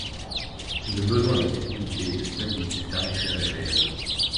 Le besoin de visibilité et de stabilité tarifaires est réel.